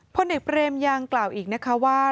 พลเอกเบรมยังกล่าวอีกนะคะว่า